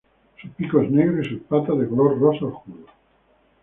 Su pico es negro y sus patas de color rosa oscuro.